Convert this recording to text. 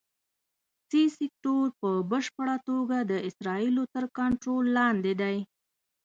سي سیکټور په بشپړه توګه د اسرائیلو تر کنټرول لاندې دی.